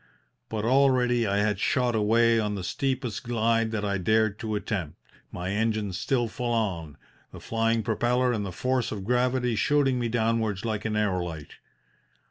But already I had shot away on the steepest glide that I dared to attempt, my engine still full on, the flying propeller and the force of gravity shooting me downwards like an aerolite.